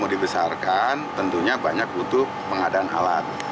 mau dibesarkan tentunya banyak butuh pengadaan alat